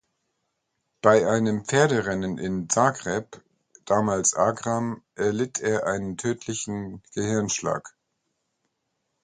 Bei einem Pferderennen in Zagreb, damals Agram, erlitt er einen tödlichen Gehirnschlag.